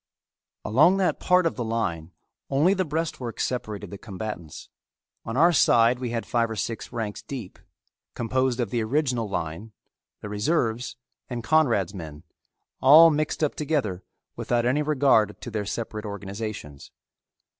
Along that part of the line only the breastwork separated the combatants. On our side we had five or six ranks deep, composed of the original line, the reserves, and Conrad's men, all mixed up together without any regard to their separate organizations.